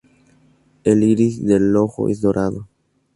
El iris del ojo es dorado.